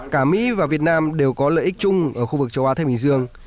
cả mỹ và việt nam đều có lợi ích chung ở khu vực châu á thái bình dương